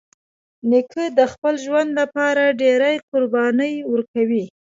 نیکه د خپل ژوند له پاره ډېری قربانۍ ورکوي.